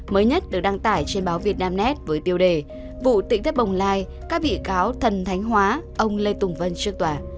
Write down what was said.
mới nhất được đăng tải trên báo việt nam net với tiêu đề vụ tịnh thép bồng lai các vị cáo thần thánh hóa ông lê tùng vân trước tòa